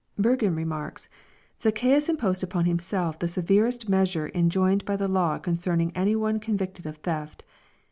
^''' Burgon remarks, '* Zacchaeus imposed upon himself the severest measure enjoined by the law concerning any one conv'cted of theft.